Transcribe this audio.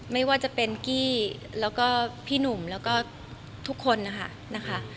ไม่ว่าจะเป็นกี้แล้วก็พี่หนุ่มแล้วก็ทุกคนนะคะ